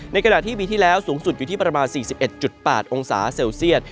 ในขณะที่ปีที่แล้วสูงสุดอยู่ที่ประมาณ๔๑๘องศาเซลเซียต